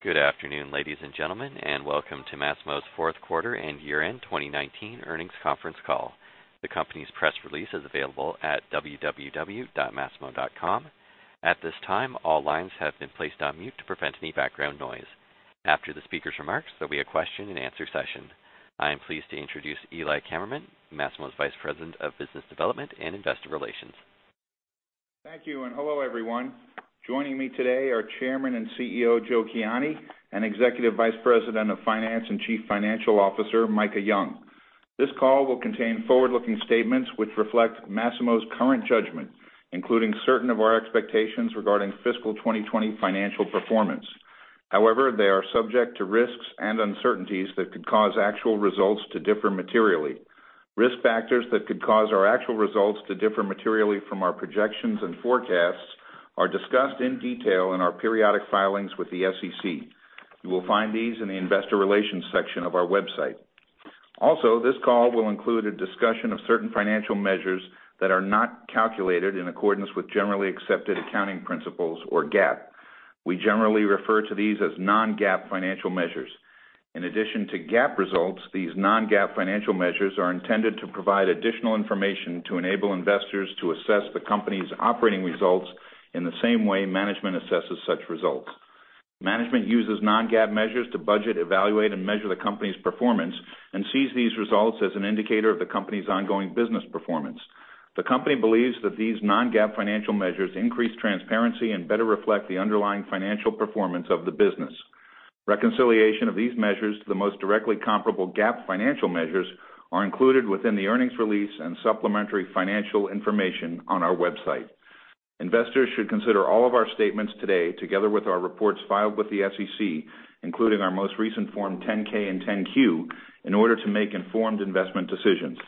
Good afternoon, ladies and gentlemen, and welcome to Masimo's fourth quarter and year-end 2019 earnings conference call. The company's press release is available at www.masimo.com. At this time, all lines have been placed on mute to prevent any background noise. After the speaker's remarks, there'll be a question and answer session. I am pleased to introduce Eli Kammerman, Masimo's Vice President of Business Development and Investor Relations. Thank you, and hello, everyone. Joining me today are Chairman and CEO, Joe Kiani, and Executive Vice President of Finance and Chief Financial Officer, Micah Young. This call will contain forward-looking statements which reflect Masimo's current judgment, including certain of our expectations regarding fiscal 2020 financial performance. However, they are subject to risks and uncertainties that could cause actual results to differ materially. Risk factors that could cause our actual results to differ materially from our projections and forecasts are discussed in detail in our periodic filings with the SEC. You will find these in the investor relations section of our website. Also, this call will include a discussion of certain financial measures that are not calculated in accordance with generally accepted accounting principles or GAAP. We generally refer to these as non-GAAP financial measures. In addition to GAAP results, these non-GAAP financial measures are intended to provide additional information to enable investors to assess the company's operating results in the same way management assesses such results. Management uses non-GAAP measures to budget, evaluate, and measure the company's performance and sees these results as an indicator of the company's ongoing business performance. The company believes that these non-GAAP financial measures increase transparency and better reflect the underlying financial performance of the business. Reconciliation of these measures to the most directly comparable GAAP financial measures are included within the earnings release and supplementary financial information on our website. Investors should consider all of our statements today, together with our reports filed with the SEC, including our most recent Form 10-K and 10-Q, in order to make informed investment decisions.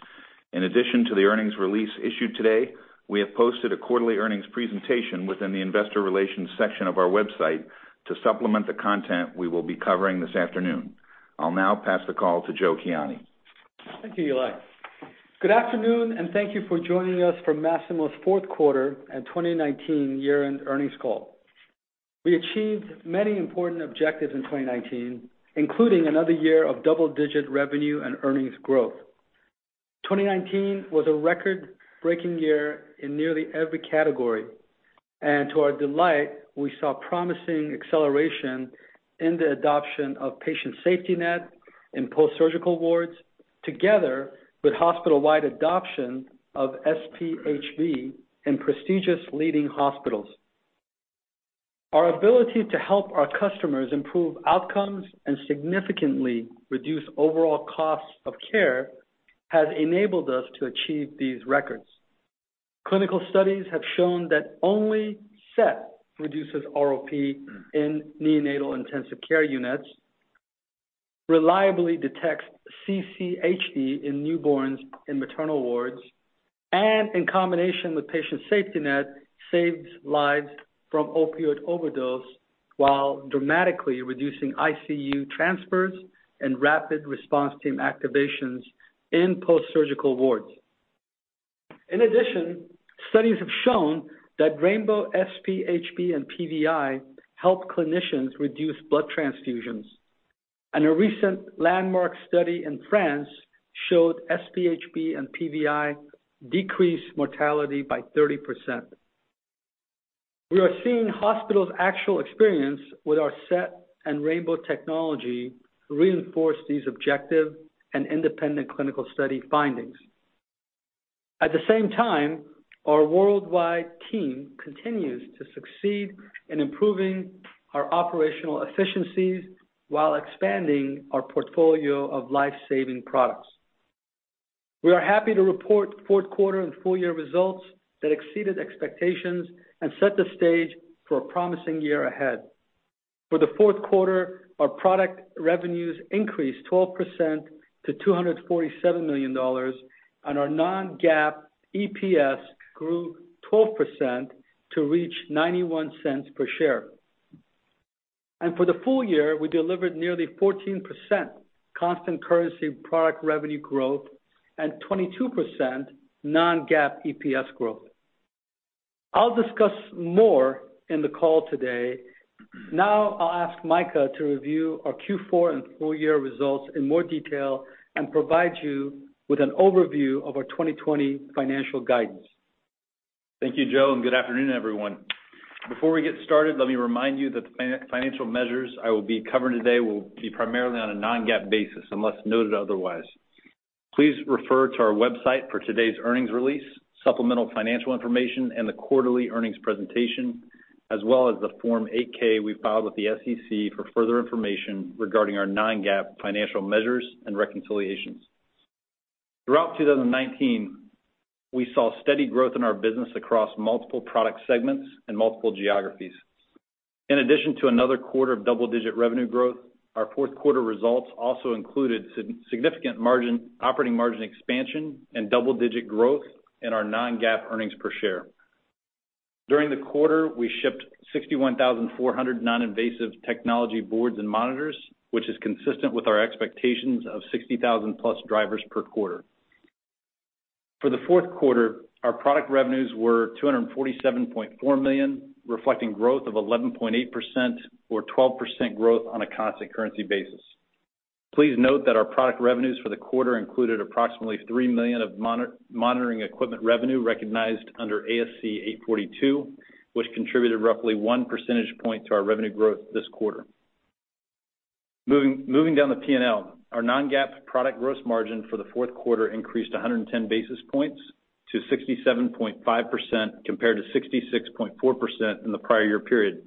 In addition to the earnings release issued today, we have posted a quarterly earnings presentation within the investor relations section of our website to supplement the content we will be covering this afternoon. I'll now pass the call to Joe Kiani. Thank you, Eli. Good afternoon, and thank you for joining us for Masimo's fourth quarter and 2019 year-end earnings call. We achieved many important objectives in 2019, including another year of double-digit revenue and earnings growth. 2019 was a record-breaking year in nearly every category, and to our delight, we saw promising acceleration in the adoption of Patient SafetyNet in post-surgical wards, together with hospital-wide adoption of SpHb in prestigious leading hospitals. Our ability to help our customers improve outcomes and significantly reduce overall costs of care has enabled us to achieve these records. Clinical studies have shown that only SET reduces ROP in neonatal intensive care units, reliably detects CCHD in newborns in maternal wards, and in combination with Patient SafetyNet, saves lives from opioid overdose while dramatically reducing ICU transfers and rapid response team activations in post-surgical wards. In addition, studies have shown that rainbow SpHb and PVi help clinicians reduce blood transfusions, and a recent landmark study in France showed SpHb and PVi decrease mortality by 30%. We are seeing hospitals' actual experience with our SET and rainbow technology reinforce these objective and independent clinical study findings. At the same time, our worldwide team continues to succeed in improving our operational efficiencies while expanding our portfolio of life-saving products. We are happy to report fourth quarter and full-year results that exceeded expectations and set the stage for a promising year ahead. For the fourth quarter, our product revenues increased 12% to $247 million, and our non-GAAP EPS grew 12% to reach $0.91 per share. For the full year, we delivered nearly 14% constant currency product revenue growth and 22% non-GAAP EPS growth. I'll discuss more in the call today. Now, I'll ask Micah to review our Q4 and full-year results in more detail and provide you with an overview of our 2020 financial guidance. Thank you, Joe. Good afternoon, everyone. Before we get started, let me remind you that the financial measures I will be covering today will be primarily on a non-GAAP basis unless noted otherwise. Please refer to our website for today's earnings release, supplemental financial information, and the quarterly earnings presentation, as well as the Form 8-K we filed with the SEC for further information regarding our non-GAAP financial measures and reconciliations. Throughout 2019, we saw steady growth in our business across multiple product segments and multiple geographies. In addition to another quarter of double-digit revenue growth, our fourth quarter results also included significant operating margin expansion and double-digit growth in our non-GAAP earnings per share. During the quarter, we shipped 61,400 non-invasive technology boards and monitors, which is consistent with our expectations of 60,000 plus drivers per quarter. For the fourth quarter, our product revenues were $247.4 million, reflecting growth of 11.8%, or 12% growth on a constant currency basis. Please note that our product revenues for the quarter included approximately $3 million of monitoring equipment revenue recognized under ASC 842, which contributed roughly one percentage point to our revenue growth this quarter. Moving down the P&L, our non-GAAP product gross margin for the fourth quarter increased 110 basis points to 67.5%, compared to 66.4% in the prior year period.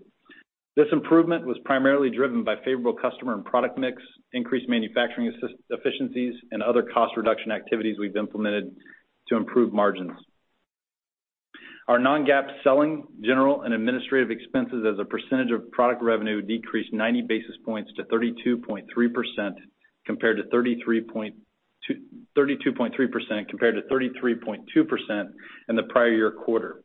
This improvement was primarily driven by favorable customer and product mix, increased manufacturing efficiencies, and other cost reduction activities we've implemented to improve margins. Our non-GAAP selling, general, and administrative expenses as a percentage of product revenue decreased 90 basis points to 32.3%, compared to 33.2% in the prior year quarter.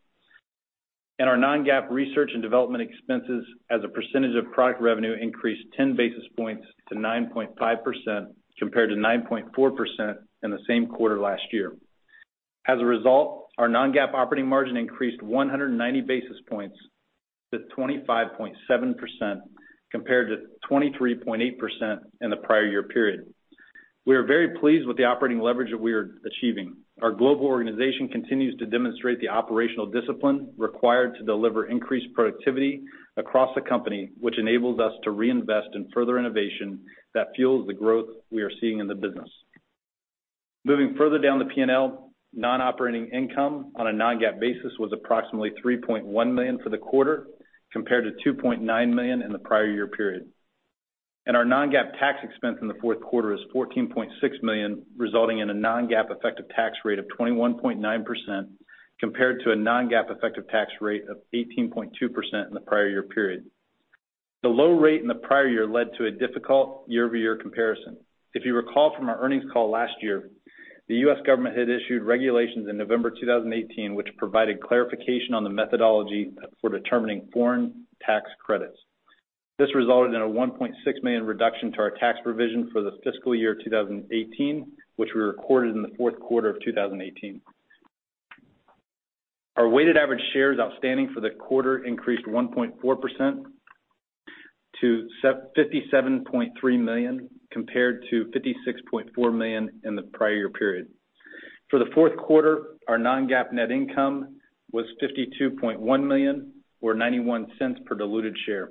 Our non-GAAP research and development expenses as a percentage of product revenue increased 10 basis points to 9.5%, compared to 9.4% in the same quarter last year. As a result, our non-GAAP operating margin increased 190 basis points to 25.7%, compared to 23.8% in the prior year period. We are very pleased with the operating leverage that we are achieving. Our global organization continues to demonstrate the operational discipline required to deliver increased productivity across the company, which enables us to reinvest in further innovation that fuels the growth we are seeing in the business. Moving further down the P&L, non-operating income on a non-GAAP basis was approximately $3.1 million for the quarter, compared to $2.9 million in the prior year period. Our non-GAAP tax expense in the fourth quarter is $14.6 million, resulting in a non-GAAP effective tax rate of 21.9%, compared to a non-GAAP effective tax rate of 18.2% in the prior year period. The low rate in the prior year led to a difficult year-over-year comparison. If you recall from our earnings call last year, the U.S. government had issued regulations in November 2018, which provided clarification on the methodology for determining foreign tax credits. This resulted in a $1.6 million reduction to our tax provision for the fiscal year 2018, which we recorded in the fourth quarter of 2018. Our weighted average shares outstanding for the quarter increased 1.4% to 57.3 million, compared to 56.4 million in the prior year period. For the fourth quarter, our non-GAAP net income was $52.1 million, or $0.91 per diluted share.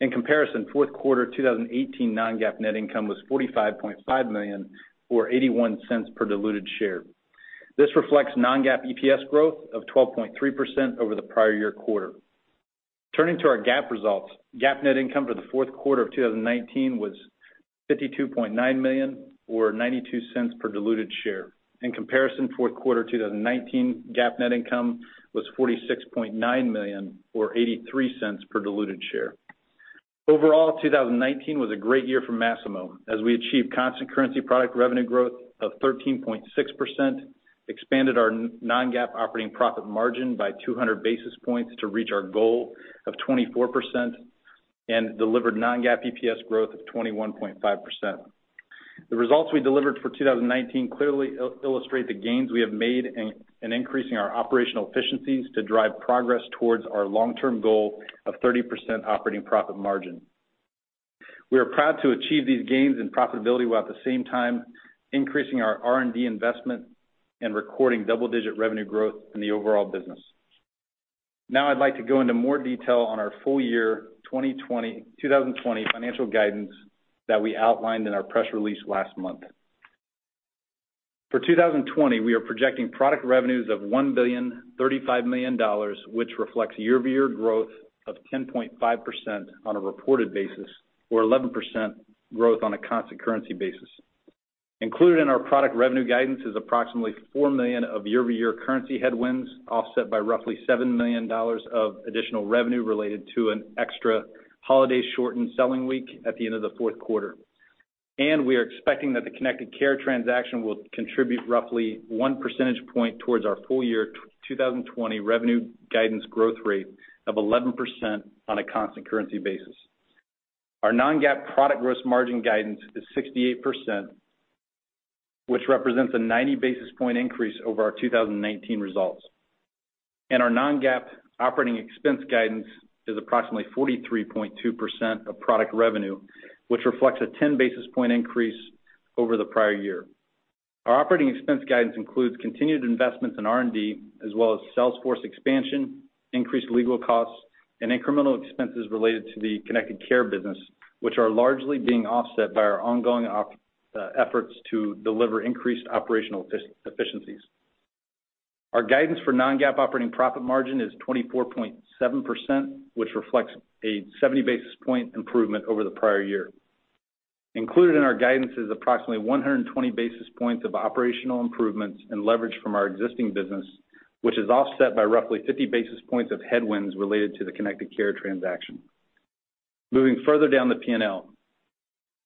In comparison, fourth quarter 2018 non-GAAP net income was $45.5 million, or $0.81 per diluted share. This reflects non-GAAP EPS growth of 12.3% over the prior year quarter. Turning to our GAAP results, GAAP net income for the fourth quarter of 2019 was $52.9 million, or $0.92 per diluted share. In comparison, fourth quarter 2018 GAAP net income was $46.9 million, or $0.83 per diluted share. Overall, 2019 was a great year for Masimo as we achieved constant currency product revenue growth of 13.6%, expanded our non-GAAP operating profit margin by 200 basis points to reach our goal of 24%, and delivered non-GAAP EPS growth of 21.5%. The results we delivered for 2019 clearly illustrate the gains we have made in increasing our operational efficiencies to drive progress towards our long-term goal of 30% operating profit margin. We are proud to achieve these gains in profitability while at the same time increasing our R&D investment and recording double-digit revenue growth in the overall business. Now I'd like to go into more detail on our full-year 2020 financial guidance that we outlined in our press release last month. For 2020, we are projecting product revenues of $1.035 billion, which reflects year-over-year growth of 10.5% on a reported basis, or 11% growth on a constant currency basis. Included in our product revenue guidance is approximately $4 million of year-over-year currency headwinds, offset by roughly $7 million of additional revenue related to an extra holiday-shortened selling week at the end of the fourth quarter. We are expecting that the Connected Care transaction will contribute roughly 1 percentage point towards our full-year 2020 revenue guidance growth rate of 11% on a constant currency basis. Our non-GAAP product gross margin guidance is 68%, which represents a 90 basis point increase over our 2019 results. Our non-GAAP operating expense guidance is approximately 43.2% of product revenue, which reflects a 10 basis point increase over the prior year. Our operating expense guidance includes continued investments in R&D, as well as sales force expansion, increased legal costs, and incremental expenses related to the Connected Care business, which are largely being offset by our ongoing efforts to deliver increased operational efficiencies. Our guidance for non-GAAP operating profit margin is 24.7%, which reflects a 70 basis point improvement over the prior year. Included in our guidance is approximately 120 basis points of operational improvements and leverage from our existing business, which is offset by roughly 50 basis points of headwinds related to the Connected Care transaction. Moving further down the P&L,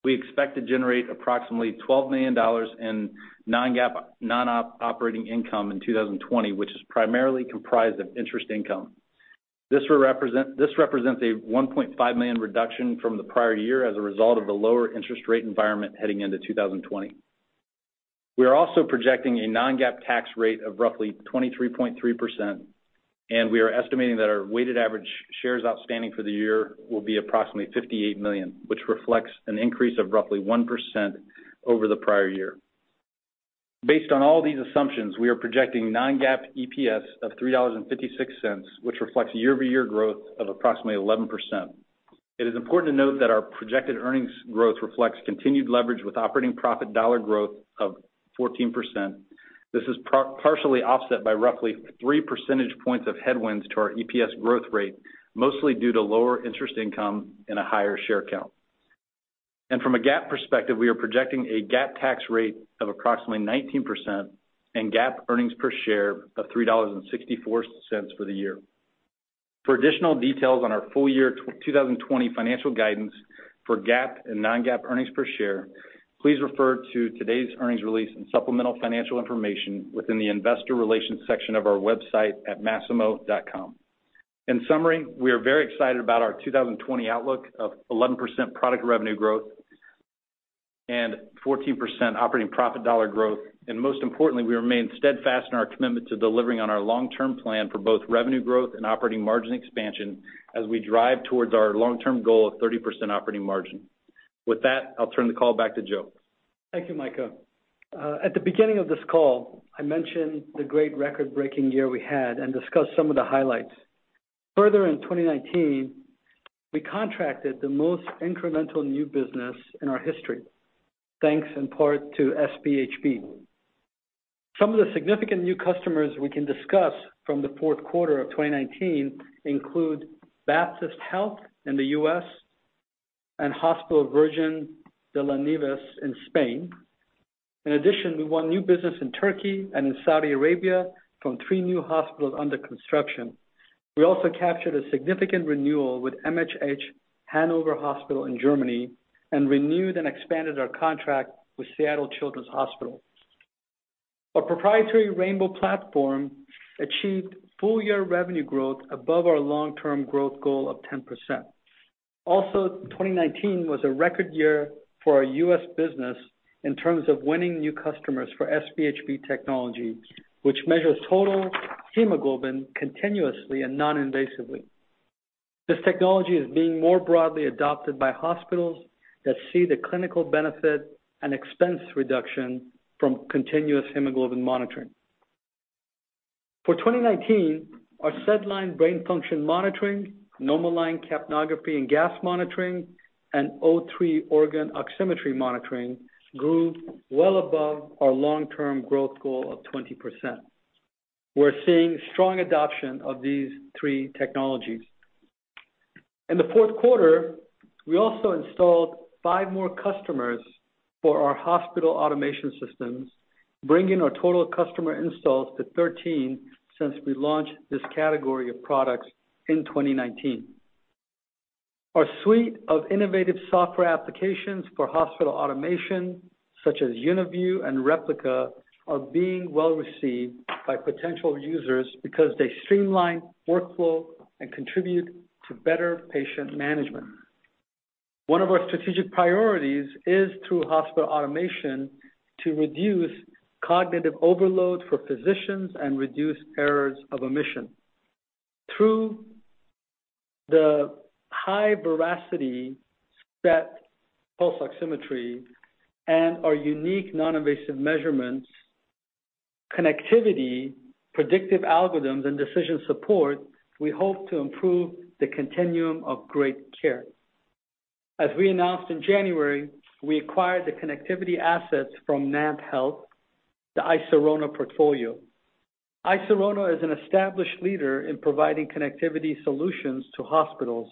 we expect to generate approximately $12 million in non-GAAP non-operating income in 2020, which is primarily comprised of interest income. This represents a $1.5 million reduction from the prior year as a result of the lower interest rate environment heading into 2020. We are also projecting a non-GAAP tax rate of roughly 23.3%, and we are estimating that our weighted average shares outstanding for the year will be approximately 58 million, which reflects an increase of roughly 1% over the prior year. Based on all these assumptions, we are projecting non-GAAP EPS of $3.56, which reflects year-over-year growth of approximately 11%. It is important to note that our projected earnings growth reflects continued leverage with operating profit dollar growth of 14%. This is partially offset by roughly three percentage points of headwinds to our EPS growth rate, mostly due to lower interest income and a higher share count. From a GAAP perspective, we are projecting a GAAP tax rate of approximately 19% and GAAP earnings per share of $3.64 for the year. For additional details on our full year 2020 financial guidance for GAAP and non-GAAP earnings per share, please refer to today's earnings release and supplemental financial information within the investor relations section of our website at masimo.com. In summary, we are very excited about our 2020 outlook of 11% product revenue growth and 14% operating profit dollar growth. Most importantly, we remain steadfast in our commitment to delivering on our long-term plan for both revenue growth and operating margin expansion as we drive towards our long-term goal of 30% operating margin. With that, I'll turn the call back to Joe. Thank you, Micah. At the beginning of this call, I mentioned the great record-breaking year we had and discussed some of the highlights. Further in 2019, we contracted the most incremental new business in our history, thanks in part to SpHb. Some of the significant new customers we can discuss from the fourth quarter of 2019 include Baptist Health in the U.S. and Hospital Virgen de las Nieves in Spain. In addition, we won new business in Turkey and in Saudi Arabia from three new hospitals under construction. We also captured a significant renewal with MHH Hannover Medical School in Germany and renewed and expanded our contract with Seattle Children's Hospital. Our proprietary rainbow platform achieved full-year revenue growth above our long-term growth goal of 10%. Also, 2019 was a record year for our U.S. business in terms of winning new customers for SpHb technology, which measures total hemoglobin continuously and non-invasively. This technology is being more broadly adopted by hospitals that see the clinical benefit and expense reduction from continuous hemoglobin monitoring. For 2019, our SedLine brain function monitoring, NomoLine capnography and gas monitoring, and O3 organ oximetry monitoring grew well above our long-term growth goal of 20%. We're seeing strong adoption of these three technologies. In the fourth quarter, we also installed 5 more customers for our hospital automation systems, bringing our total customer installs to 13 since we launched this category of products in 2019. Our suite of innovative software applications for hospital automation, such as UniView and Replica, are being well received by potential users because they streamline workflow and contribute to better patient management. One of our strategic priorities is through hospital automation to reduce cognitive overload for physicians and reduce errors of omission. Through the high veracity SET pulse oximetry and our unique noninvasive measurements, connectivity, predictive algorithms, and decision support, we hope to improve the continuum of great care. As we announced in January, we acquired the connectivity assets from NantHealth, the iSirona portfolio. iSirona is an established leader in providing connectivity solutions to hospitals,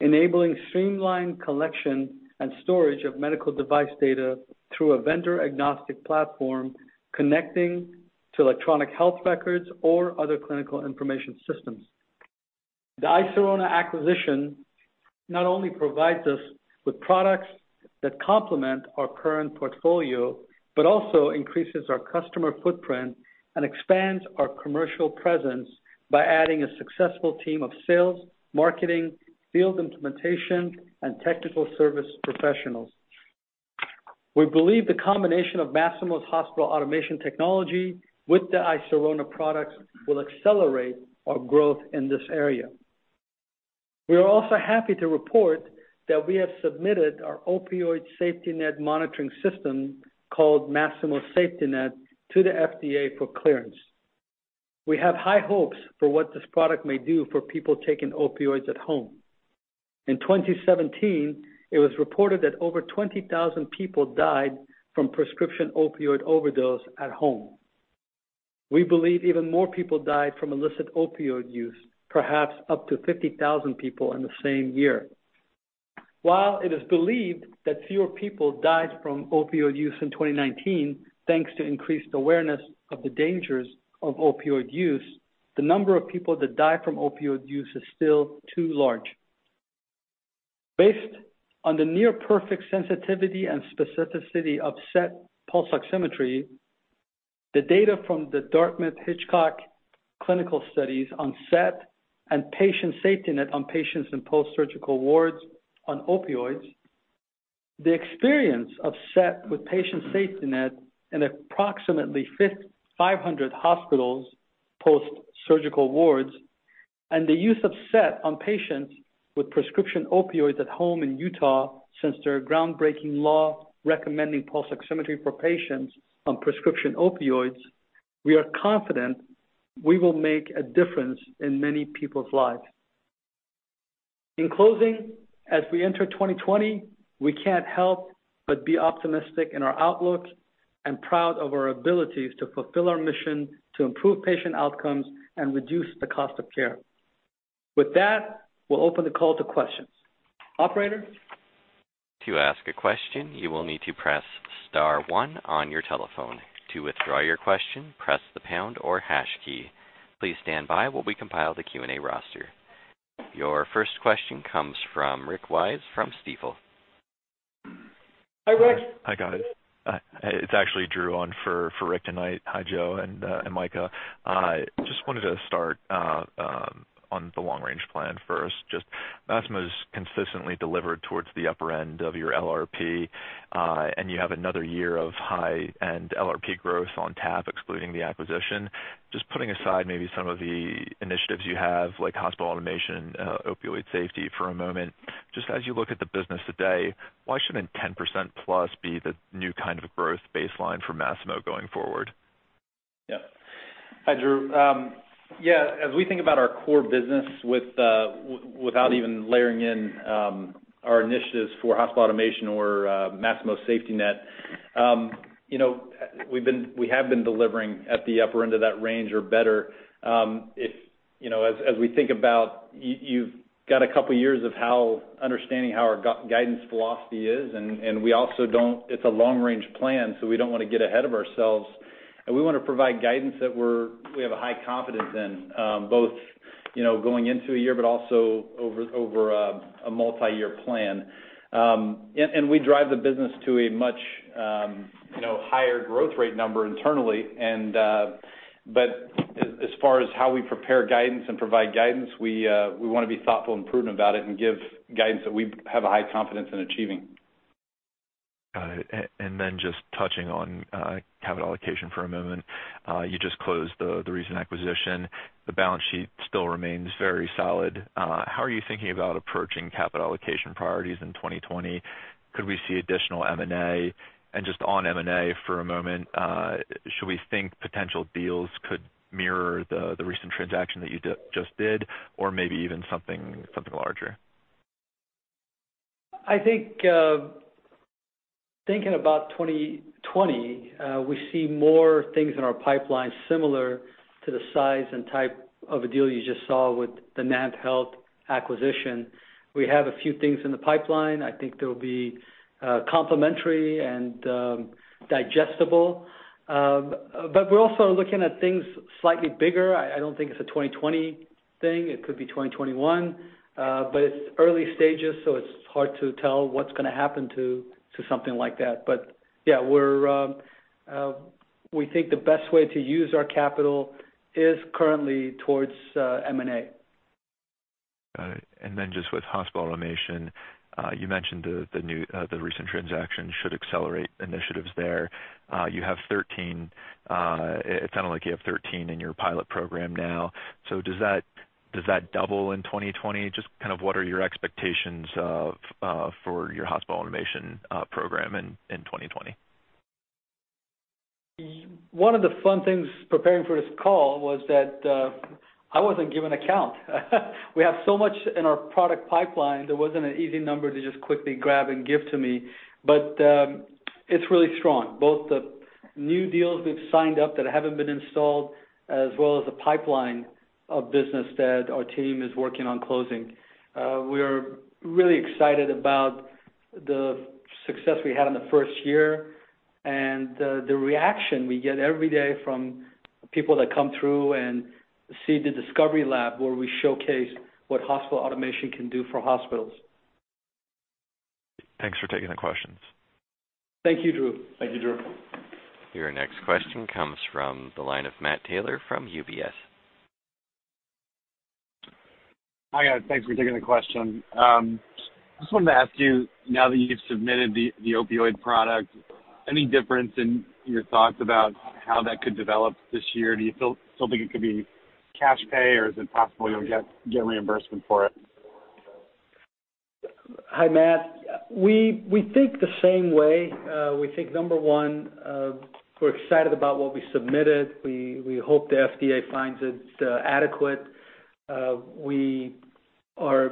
enabling streamlined collection and storage of medical device data through a vendor-agnostic platform connecting to electronic health records or other clinical information systems. The iSirona acquisition not only provides us with products that complement our current portfolio, but also increases our customer footprint and expands our commercial presence by adding a successful team of sales, marketing, field implementation, and technical service professionals. We believe the combination of Masimo's Hospital Automation technology with the iSirona products will accelerate our growth in this area. We are also happy to report that we have submitted our opioid safety net monitoring system, called Masimo SafetyNet, to the FDA for clearance. We have high hopes for what this product may do for people taking opioids at home. In 2017, it was reported that over 20,000 people died from prescription opioid overdose at home. We believe even more people died from illicit opioid use, perhaps up to 50,000 people in the same year. While it is believed that fewer people died from opioid use in 2019, thanks to increased awareness of the dangers of opioid use, the number of people that die from opioid use is still too large. Based on the near perfect sensitivity and specificity of SET pulse oximetry, the data from the Dartmouth-Hitchcock clinical studies on SET and Patient SafetyNet on patients in post-surgical wards on opioids, the experience of SET with Patient SafetyNet in approximately 500 hospitals post-surgical wards, and the use of SET on patients with prescription opioids at home in Utah since their groundbreaking law recommending pulse oximetry for patients on prescription opioids, we are confident we will make a difference in many people's lives. In closing, as we enter 2020, we can't help but be optimistic in our outlook and proud of our abilities to fulfill our mission to improve patient outcomes and reduce the cost of care. With that, we'll open the call to questions. Operator? To ask a question, you will need to press star 1 on your telephone. To withdraw your question, press the pound or hash key. Please stand by while we compile the Q&A roster. Your first question comes from Rick Wise from Stifel. Hi, Rick. Hi, guys. It's actually Drew on for Rick tonight. Hi, Joe and Micah. Just wanted to start on the long-range plan first. Just Masimo's consistently delivered towards the upper end of your LRP, and you have another year of high-end LRP growth on tap, excluding the acquisition. Just putting aside maybe some of the initiatives you have, like hospital automation, opioid safety for a moment. Just as you look at the business today, why shouldn't 10% plus be the new kind of growth baseline for Masimo going forward? Hi, Drew. As we think about our core business without even layering in our initiatives for hospital automation or Masimo SafetyNet, we have been delivering at the upper end of that range or better. As we think about, you've got a couple of years of understanding how our guidance philosophy is, and it's a long-range plan, so we don't want to get ahead of ourselves. We want to provide guidance that we have a high confidence in, both going into a year, but also over a multi-year plan. We drive the business to a much higher growth rate number internally. As far as how we prepare guidance and provide guidance, we want to be thoughtful and prudent about it and give guidance that we have a high confidence in achieving. Got it. Just touching on capital allocation for a moment. You just closed the recent acquisition. The balance sheet still remains very solid. How are you thinking about approaching capital allocation priorities in 2020? Could we see additional M&A? Just on M&A for a moment, should we think potential deals could mirror the recent transaction that you just did or maybe even something larger? I think, thinking about 2020, we see more things in our pipeline similar to the size and type of a deal you just saw with the NantHealth acquisition. We have a few things in the pipeline. I think they'll be complimentary and digestible. We're also looking at things slightly bigger. I don't think it's a 2020 thing. It could be 2021. It's early stages, so it's hard to tell what's going to happen to something like that. Yeah, we think the best way to use our capital is currently towards M&A. Got it. Just with hospital automation, you mentioned the recent transaction should accelerate initiatives there. It sounded like you have 13 in your pilot program now. Does that double in 2020? Just what are your expectations for your hospital automation program in 2020? One of the fun things preparing for this call was that I wasn't given a count. We have so much in our product pipeline, there wasn't an easy number to just quickly grab and give to me. It's really strong, both the new deals we've signed up that haven't been installed, as well as the pipeline of business that our team is working on closing. We are really excited about the success we had in the first year and the reaction we get every day from people that come through and see the discovery lab where we showcase what hospital automation can do for hospitals. Thanks for taking the questions. Thank you, Drew. Thank you, Drew. Your next question comes from the line of Matt Taylor from UBS. Hi, guys. Thanks for taking the question. Just wanted to ask you, now that you've submitted the opioid product, any difference in your thoughts about how that could develop this year? Do you still think it could be cash pay, or is it possible you'll get reimbursement for it? Hi, Matt. We think the same way. We think, number one, we're excited about what we submitted. We hope the FDA finds it adequate. We are,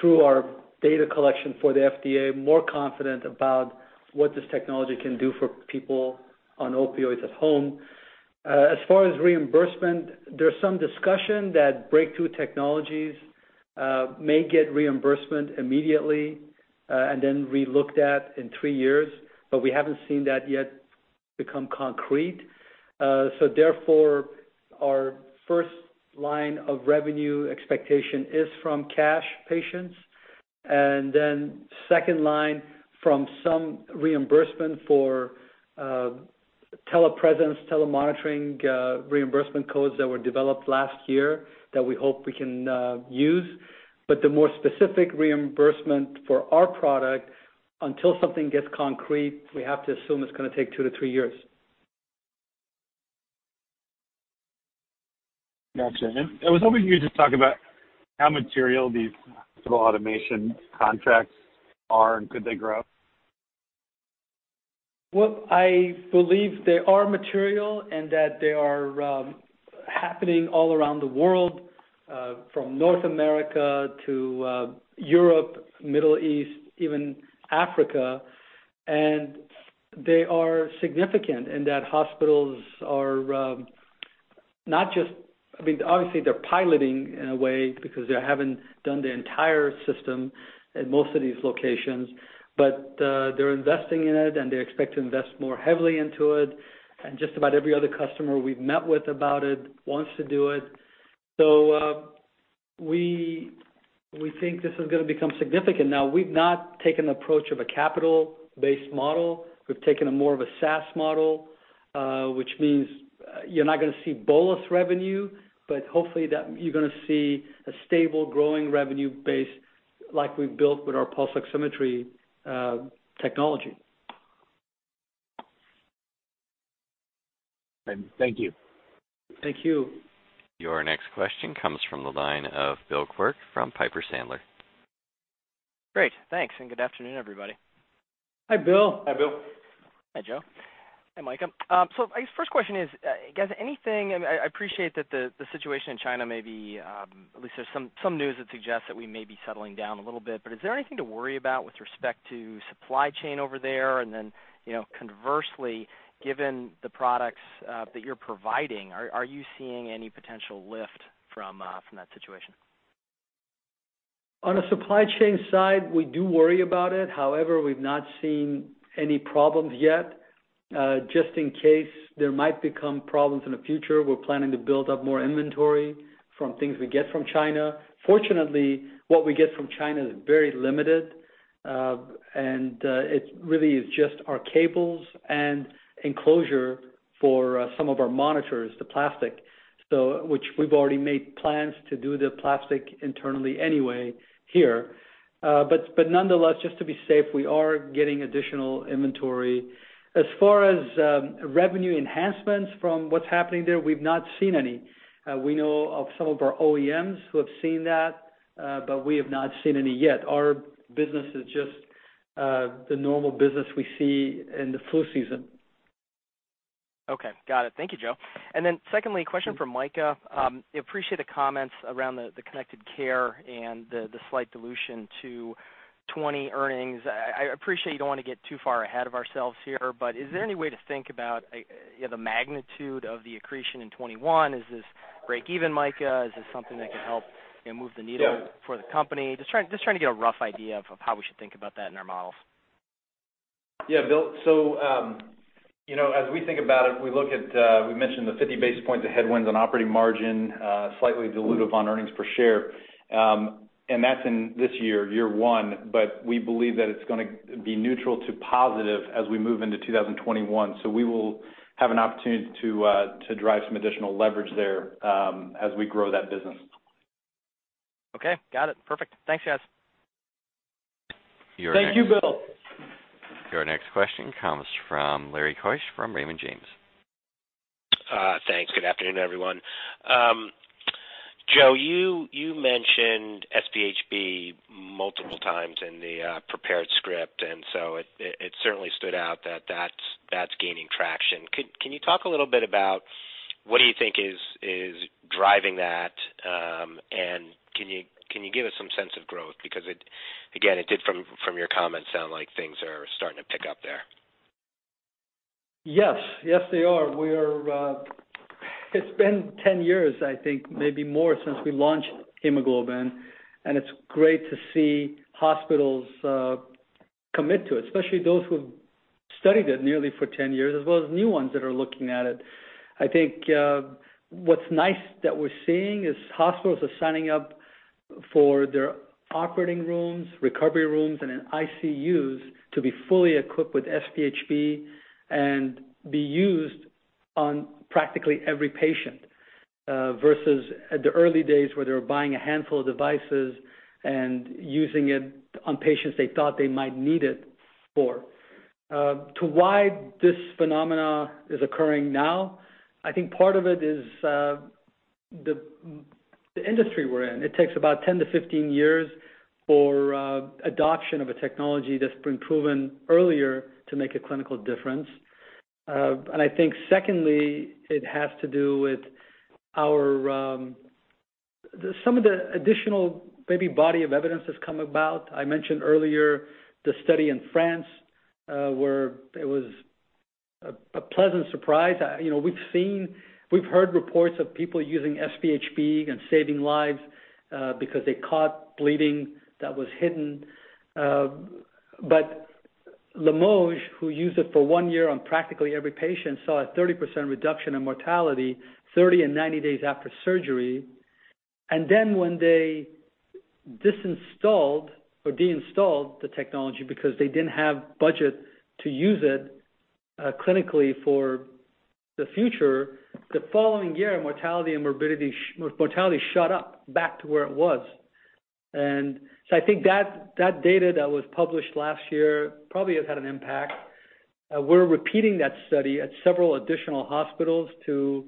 through our data collection for the FDA, more confident about what this technology can do for people on opioids at home. As far as reimbursement, there's some discussion that breakthrough technologies may get reimbursement immediately and then re-looked at in 3 years, but we haven't seen that yet become concrete. Therefore, our first line of revenue expectation is from cash patients, and then second line from some reimbursement for telepresence, telemonitoring, reimbursement codes that were developed last year that we hope we can use. The more specific reimbursement for our product, until something gets concrete, we have to assume it's going to take two to three years. Got you. I was hoping you could just talk about how material these sort of automation contracts are, and could they grow? Well, I believe they are material and that they are happening all around the world, from North America to Europe, Middle East, even Africa. They are significant in that hospitals are not just piloting in a way because they haven't done the entire system at most of these locations. They're investing in it, and they expect to invest more heavily into it, and just about every other customer we've met with about it wants to do it. We think this is going to become significant. Now, we've not taken the approach of a capital-based model. We've taken a more of a SaaS model, which means you're not going to see bolus revenue, but hopefully that you're going to see a stable growing revenue base like we've built with our pulse oximetry technology. Thank you. Thank you. Your next question comes from the line of Bill Quirk from Piper Sandler. Great. Thanks, and good afternoon, everybody. Hi, Bill. Hi, Bill. Hi, Joe. Hi, Micah. I guess first question is, guys, anything I appreciate that the situation in China may be, at least there's some news that suggests that we may be settling down a little bit. Is there anything to worry about with respect to supply chain over there? Conversely, given the products that you're providing, are you seeing any potential lift from that situation? On the supply chain side, we do worry about it. However, we've not seen any problems yet. Just in case there might become problems in the future, we're planning to build up more inventory from things we get from China. Fortunately, what we get from China is very limited. It really is just our cables and enclosure for some of our monitors, the plastic, which we've already made plans to do the plastic internally anyway here. Nonetheless, just to be safe, we are getting additional inventory. As far as revenue enhancements from what's happening there, we've not seen any. We know of some of our OEMs who have seen that, but we have not seen any yet. Our business is just the normal business we see in the flu season. Okay. Got it. Thank you, Joe. Secondly, a question for Micah. I appreciate the comments around the Connected Care and the slight dilution to 2020 earnings. I appreciate you don't want to get too far ahead of ourselves here, is there any way to think about the magnitude of the accretion in 2021? Is this break even, Micah? Is this something that can help move the needle? Yeah for the company? Just trying to get a rough idea of how we should think about that in our models. Yeah. Bill, as we think about it, we look at, we mentioned the 50 basis points of headwinds on operating margin, slightly dilutive on earnings per share. That's in this year one. We believe that it's going to be neutral to positive as we move into 2021. We will have an opportunity to drive some additional leverage there as we grow that business. Okay. Got it. Perfect. Thanks, guys. Thank you, Bill. Your next question comes from Lawrence Keusch from Raymond James. Thanks. Good afternoon, everyone. Joe, you mentioned SpHb multiple times in the prepared script, and so it certainly stood out that that's gaining traction. Can you talk a little bit about what you think is driving that, and can you give us some sense of growth? Again, it did from your comments sound like things are starting to pick up there. Yes. Yes, they are. It's been 10 years, I think, maybe more, since we launched SpHb, and it's great to see hospitals commit to it, especially those who have studied it nearly for 10 years, as well as new ones that are looking at it. I think what's nice that we're seeing is hospitals are signing up for their operating rooms, recovery rooms, and in ICUs to be fully equipped with SpHb and be used on practically every patient, versus the early days where they were buying a handful of devices and using it on patients they thought they might need it for. To why this phenomena is occurring now, I think part of it is the industry we're in. It takes about 10 to 15 years for adoption of a technology that's been proven earlier to make a clinical difference. I think secondly, it has to do with some of the additional, maybe body of evidence that's come about. I mentioned earlier the study in France, where it was a pleasant surprise. We've heard reports of people using SpHb and saving lives because they caught bleeding that was hidden. Limoges, who used it for one year on practically every patient, saw a 30% reduction in mortality 30 and 90 days after surgery. When they de-installed the technology because they didn't have budget to use it clinically for the future, the following year, mortality shot up back to where it was. I think that data that was published last year probably has had an impact. We're repeating that study at several additional hospitals to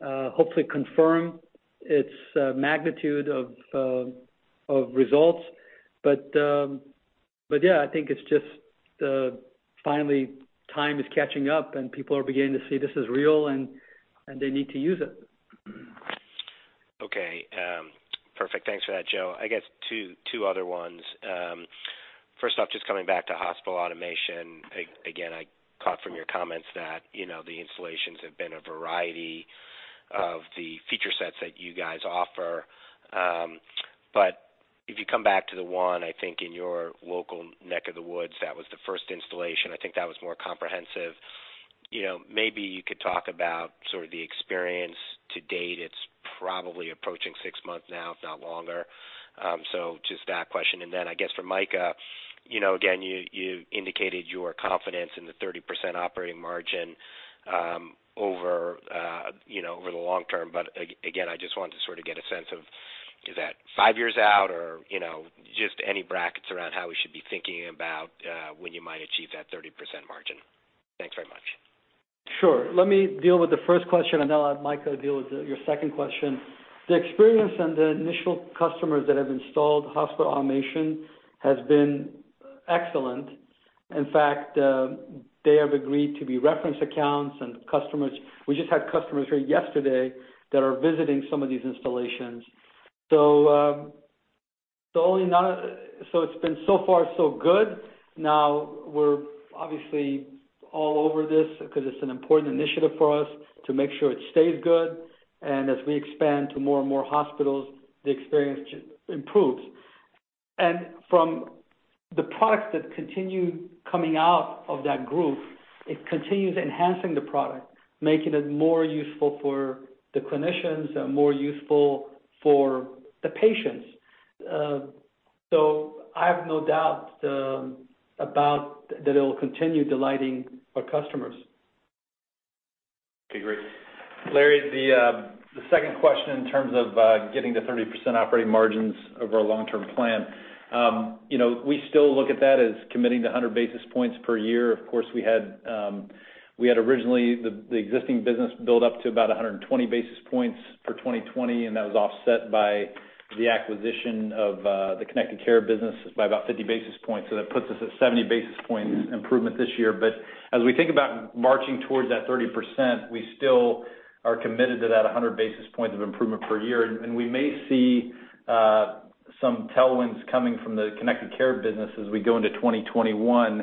hopefully confirm its magnitude of results. Yeah, I think it's just finally time is catching up and people are beginning to see this is real and they need to use it. Perfect. Thanks for that, Joe. I guess two other ones. First off, just coming back to hospital automation. I caught from your comments that the installations have been a variety of the feature sets that you guys offer. If you come back to the one, I think in your local neck of the woods, that was the first installation. I think that was more comprehensive. Maybe you could talk about sort of the experience to date. It's probably approaching six months now, if not longer. Just that question, and then I guess for Micah, you indicated your confidence in the 30% operating margin over the long term. I just wanted to sort of get a sense of, is that five years out or just any brackets around how we should be thinking about when you might achieve that 30% margin? Thanks very much. Sure. Let me deal with the first question, and then I'll have Micah deal with your second question. The experience and the initial customers that have installed hospital automation has been excellent. In fact, they have agreed to be reference accounts and customers. We just had customers here yesterday that are visiting some of these installations. It's been so far so good. Now we're obviously all over this because it's an important initiative for us to make sure it stays good, and as we expand to more and more hospitals, the experience improves. From the products that continue coming out of that group, it continues enhancing the product, making it more useful for the clinicians and more useful for the patients. I have no doubt about that it'll continue delighting our customers. Okay, great. Larry, the second question in terms of getting to 30% operating margins over our long-term plan. We still look at that as committing to 100 basis points per year. Of course, we had originally the existing business build up to about 120 basis points for 2020, and that was offset by the acquisition of the Connected Care business by about 50 basis points. That puts us at 70 basis points improvement this year. As we think about marching towards that 30%, we still are committed to that 100 basis points of improvement per year. We may see some tailwinds coming from the Connected Care business as we go into 2021.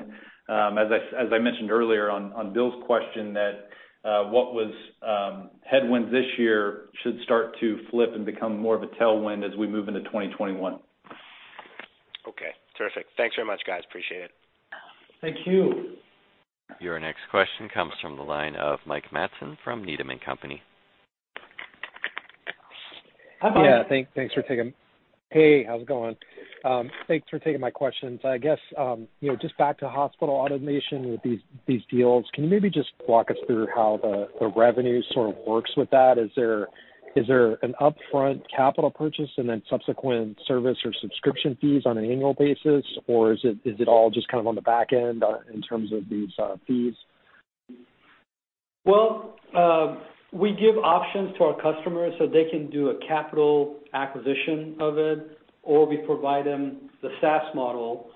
As I mentioned earlier on Bill's question, that what was headwinds this year should start to flip and become more of a tailwind as we move into 2021. Okay, terrific. Thanks very much, guys. Appreciate it. Thank you. Your next question comes from the line of Mike Matson from Needham & Company. Yeah. Hey, how's it going? Thanks for taking my questions. I guess, just back to hospital automation with these deals, can you maybe just walk us through how the revenue sort of works with that? Is there an upfront capital purchase and then subsequent service or subscription fees on an annual basis, or is it all just kind of on the back end in terms of these fees? We give options to our customers so they can do a capital acquisition of it, or we provide them the SaaS model.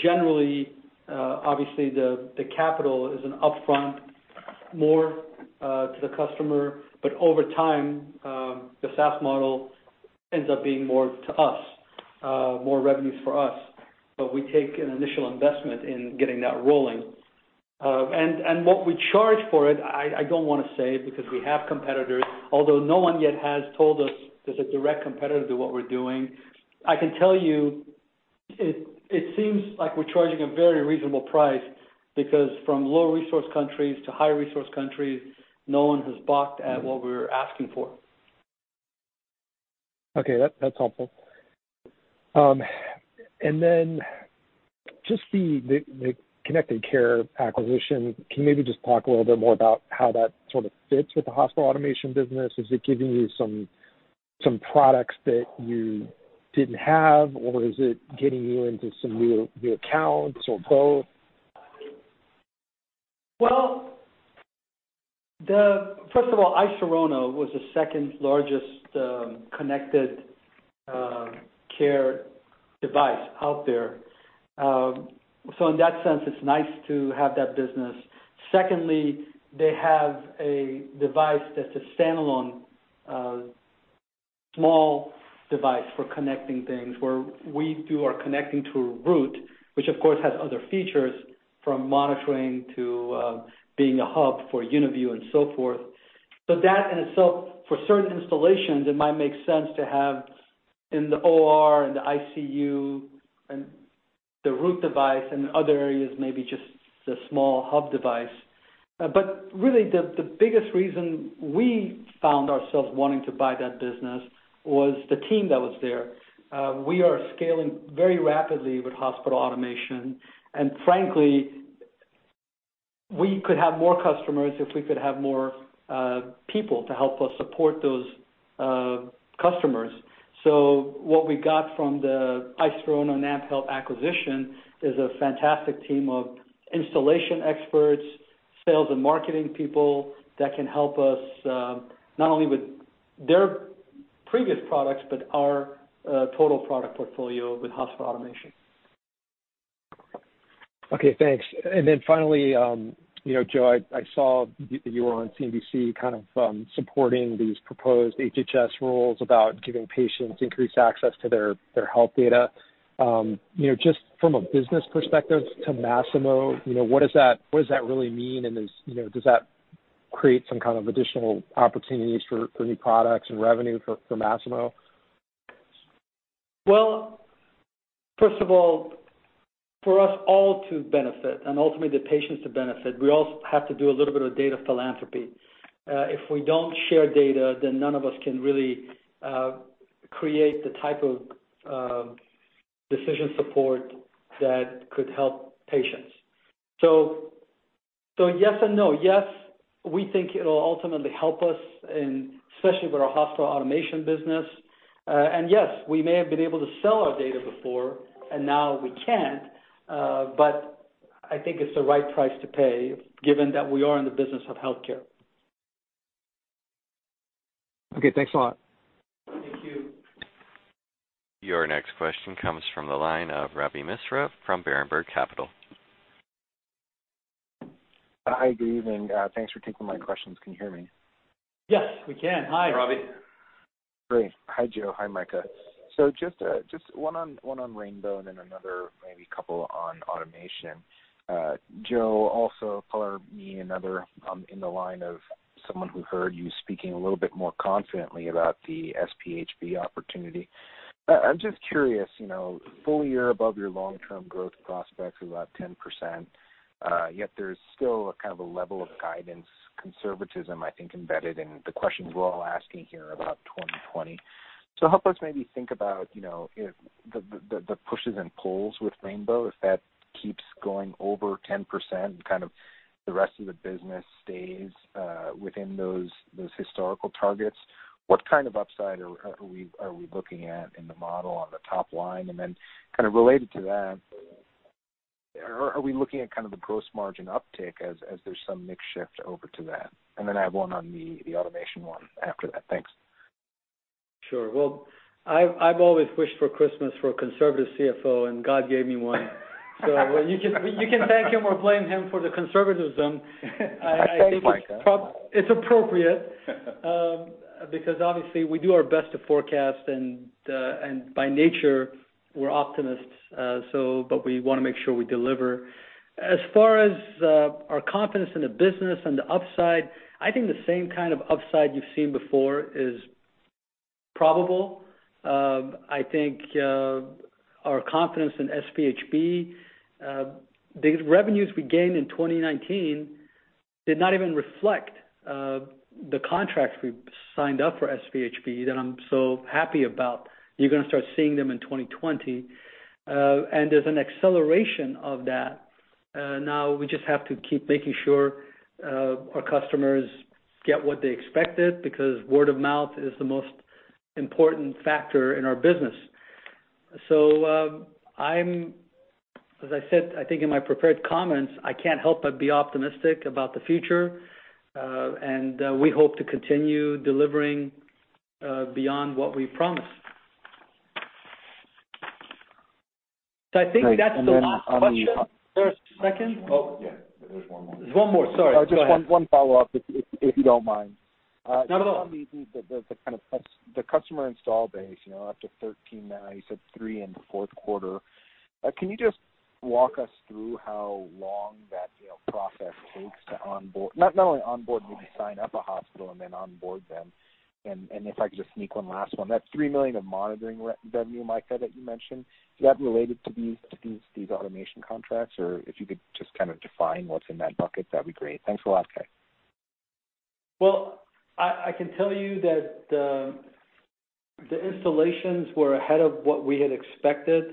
Generally, obviously the capital is an upfront more to the customer, but over time, the SaaS model ends up being more to us, more revenues for us. We take an initial investment in getting that rolling. What we charge for it, I don't want to say because we have competitors, although no one yet has told us there's a direct competitor to what we're doing. I can tell you, it seems like we're charging a very reasonable price because from low resource countries to high resource countries, no one has balked at what we're asking for. Okay. That's helpful. Just the Connected Care acquisition, can you maybe just talk a little bit more about how that sort of fits with the Hospital Automation business? Is it giving you some products that you didn't have, or is it getting you into some new accounts, or both? Well, first of all, iSirona was the second largest Connected Care device out there. In that sense, it's nice to have that business. Secondly, they have a device that's a standalone small device for connecting things, where we do our connecting to a Root, which of course has other features from monitoring to being a hub for UniView and so forth. That in itself, for certain installations, it might make sense to have in the OR and the ICU and the Root device and other areas, maybe just the small hub device. Really, the biggest reason we found ourselves wanting to buy that business was the team that was there. We are scaling very rapidly with hospital automation, and frankly, we could have more customers if we could have more people to help us support those customers. What we got from the iSirona/NantHealth acquisition is a fantastic team of installation experts, sales and marketing people that can help us not only with their previous products, but our total product portfolio with hospital automation. Okay, thanks. Finally, Joe, I saw that you were on CNBC kind of supporting these proposed HHS rules about giving patients increased access to their health data. Just from a business perspective to Masimo, what does that really mean? Does that create some kind of additional opportunities for new products and revenue for Masimo? First of all, for us all to benefit and ultimately the patients to benefit, we all have to do a little bit of data philanthropy. If we don't share data, none of us can really create the type of decision support that could help patients. Yes and no. Yes, we think it'll ultimately help us, and especially with our hospital automation business. Yes, we may have been able to sell our data before, and now we can't. I think it's the right price to pay given that we are in the business of healthcare. Okay, thanks a lot. Thank you. Your next question comes from the line of Ravi Misra from Berenberg Capital. Hi, good evening. Thanks for taking my questions. Can you hear me? Yes, we can. Hi. Hi, Ravi. Great. Hi, Joe. Hi, Micah. Just one on rainbow and then another maybe couple on automation. Joe, also color me another in the line of someone who heard you speaking a little bit more confidently about the SpHb opportunity. I'm just curious, full year above your long-term growth prospects of about 10%, yet there's still a kind of a level of guidance, conservatism, I think, embedded in the questions we're all asking here about 2020. Help us maybe think about the pushes and pulls with rainbow, if that keeps going over 10% and kind of the rest of the business stays within those historical targets. What kind of upside are we looking at in the model on the top line? Kind of related to that, are we looking at kind of the gross margin uptick as there's some mix shift over to that? I have one on the automation one after that. Thanks. Sure. Well, I've always wished for Christmas for a conservative CFO. God gave me one. You can thank him or blame him for the conservatism. Thanks, Micah. It's appropriate because obviously we do our best to forecast and by nature, we're optimists but we want to make sure we deliver. As far as our confidence in the business and the upside, I think the same kind of upside you've seen before is probable. I think our confidence in SpHb, the revenues we gained in 2019 did not even reflect the contracts we signed up for SpHb that I'm so happy about. You're going to start seeing them in 2020. There's an acceleration of that. Now we just have to keep making sure our customers get what they expected because word of mouth is the most important factor in our business. As I said, I think in my prepared comments, I can't help but be optimistic about the future. We hope to continue delivering beyond what we promised. I think that's the last question. Is there a second? Oh, yeah, there's one more. There's one more. Sorry. Go ahead. Just one follow-up if you don't mind. Not at all. The kind of the customer install base after 13, now you said three in the fourth quarter. Can you just walk us through how long that process takes to not only onboard, maybe sign up a hospital and then onboard them. If I could just sneak one last one, that $3 million of monitoring revenue, Micah, that you mentioned, is that related to these automation contracts? If you could just kind of define what's in that bucket, that'd be great. Thanks a lot, guys. Well, I can tell you that the installations were ahead of what we had expected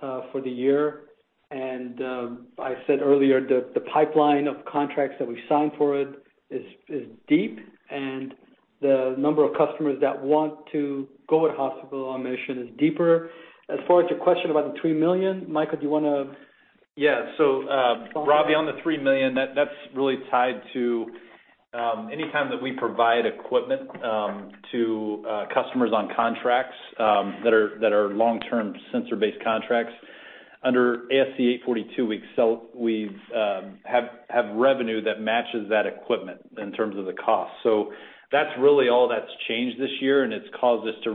for the year, and I said earlier the pipeline of contracts that we've signed for it is deep, and the number of customers that want to go with Hospital Automation is deeper. As far as your question about the $3 million, Micah, do you want to? Ravi, on the $3 million, that's really tied to any time that we provide equipment to customers on contracts that are long-term sensor-based contracts. Under ASC 842, we have revenue that matches that equipment in terms of the cost. That's really all that's changed this year. It's caused us to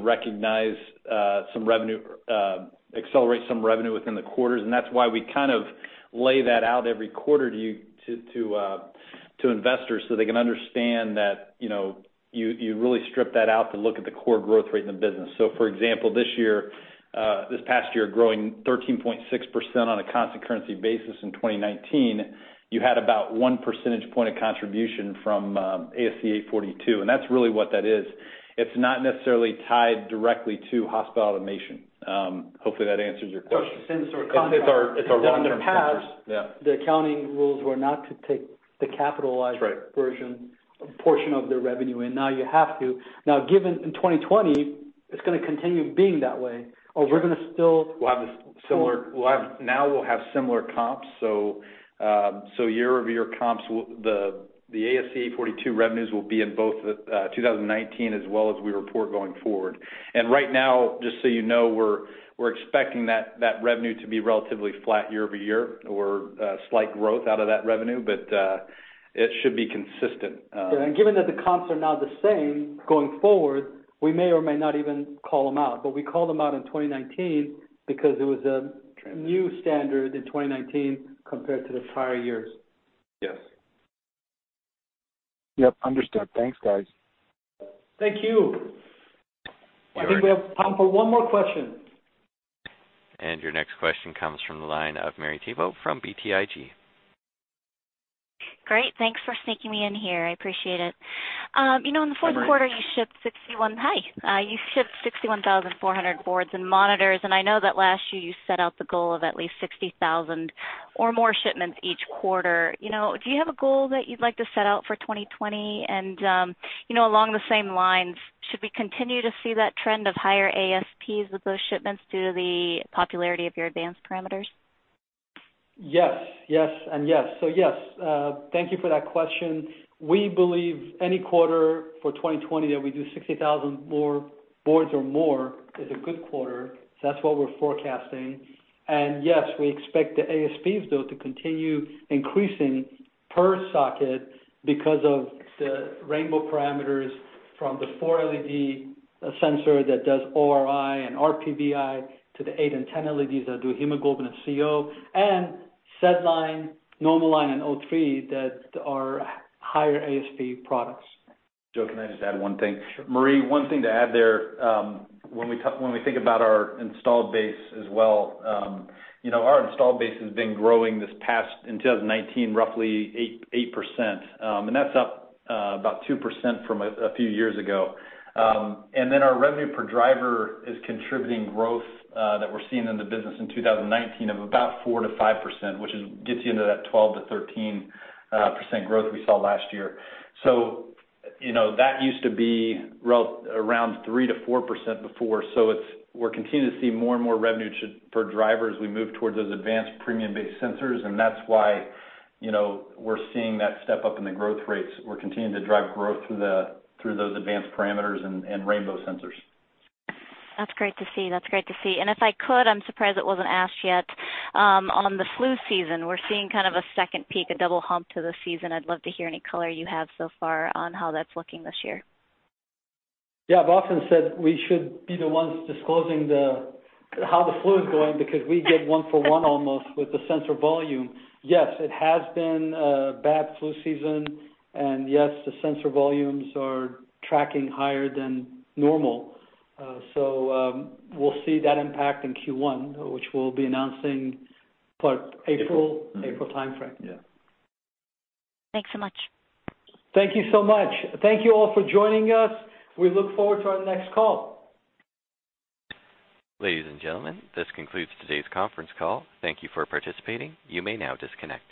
accelerate some revenue within the quarters. That's why we kind of lay that out every quarter to investors so they can understand that you really strip that out to look at the core growth rate in the business. For example, this past year growing 13.6% on a constant currency basis in 2019. You had about one percentage point of contribution from ASC 842. That's really what that is. It's not necessarily tied directly to hospital automation. Hopefully, that answers your question. Since they were contracts. It's our long-term contracts. Yeah. In the past, the accounting rules were not to take the capitalized- That's right. Version portion of their revenue, and now you have to. Given in 2020, it's going to continue being that way, or we're going to. We'll have now similar comps. Year-over-year comps, the ASC 842 revenues will be in both 2019 as well as we report going forward. Right now, just you know, we're expecting that revenue to be relatively flat year-over-year or slight growth out of that revenue. It should be consistent. Given that the comps are now the same going forward, we may or may not even call them out, but we called them out in 2019 because it was. Trend new standard in 2019 compared to the prior years. Yes. Yep, understood. Thanks, guys. Thank you. Wonderful. I think we have time for one more question. Your next question comes from the line of Marie Thibault from BTIG. Great. Thanks for sneaking me in here. I appreciate it. In the fourth quarter. You're welcome. You shipped 61,400 boards and monitors, and I know that last year you set out the goal of at least 60,000 or more shipments each quarter. Do you have a goal that you'd like to set out for 2020? Along the same lines, should we continue to see that trend of higher ASPs with those shipments due to the popularity of your advanced parameters? Yes, yes, and yes. Yes. Thank you for that question. We believe any quarter for 2020 that we do 60,000 boards or more is a good quarter. That's what we're forecasting. Yes, we expect the ASPs, though, to continue increasing per socket because of the rainbow parameters from the 4LED sensor that does ORi and RPVi to the 8 and 10 LEDs that do hemoglobin and CO and SedLine, NomoLine, and O3 that are higher ASP products. Joe, can I just add one thing? Sure. Marie, one thing to add there, when we think about our installed base as well, our installed base has been growing this past, in 2019, roughly 8%. That's up about 2% from a few years ago. Our revenue per driver is contributing growth that we're seeing in the business in 2019 of about 4%-5%, which gets you into that 12%-13% growth we saw last year. That used to be around 3%-4% before. We're continuing to see more and more revenue per driver as we move towards those advanced premium-based sensors. That's why we're seeing that step-up in the growth rates. We're continuing to drive growth through those advanced parameters and rainbow sensors. That's great to see. If I could, I'm surprised it wasn't asked yet, on the flu season, we're seeing kind of a second peak, a double hump to the season. I'd love to hear any color you have so far on how that's looking this year. Yeah. I've often said we should be the ones disclosing how the flu is going because we get one for one almost with the sensor volume. Yes, it has been a bad flu season. Yes, the sensor volumes are tracking higher than normal. We'll see that impact in Q1, which we'll be announcing what, April? April. April timeframe. Yeah. Thanks so much. Thank you so much. Thank you all for joining us. We look forward to our next call. Ladies and gentlemen, this concludes today's conference call. Thank you for participating. You may now disconnect.